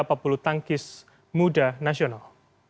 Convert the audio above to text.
papulu tangkis muda nasional